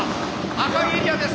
赤いエリアです。